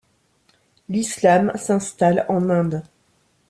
L'islam s'installe en Inde.